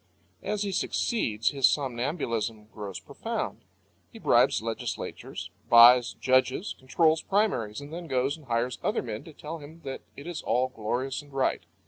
As he succeeds, his somnambulism grows profound. He bribes legislatures, buys judges, "controls" primaries, and then goes and hires other men to tell him that it is all glorious and right.